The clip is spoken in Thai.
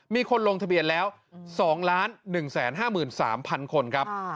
มีคนลงทะเบียนแล้ว๒๑๕๓๐๐คนครับ